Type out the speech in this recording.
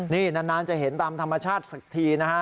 นี่นานจะเห็นตามธรรมชาติสักทีนะฮะ